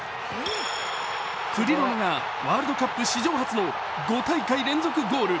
クリロナがワールドカップ史上初の５大会連続ゴール。